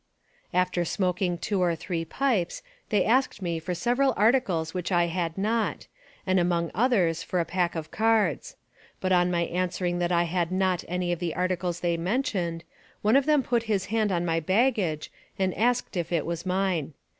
After smoking two or three pipes, they asked me for several articles which I had not, and among others for a pack of cards; but, on my answering that I had not any of the articles they mentioned, one of them put his hand on my baggage and asked if it was mine.